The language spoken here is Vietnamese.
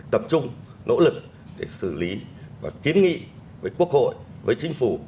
tập trung nỗ lực để xử lý và kiến nghị với quốc hội với chính phủ